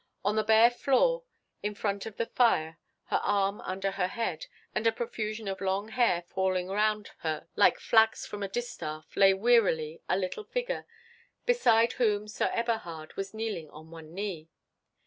On the bare floor, in front of the fire, her arm under her head, and a profusion of long hair falling round her like flax from a distaff, lay wearily a little figure, beside whom Sir Eberhard was kneeling on one knee.